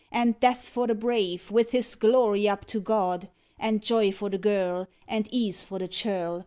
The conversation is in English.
And death for the brave, With his glory up to God! And joy for the girl, And ease for the churl!